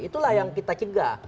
itulah yang kita cegah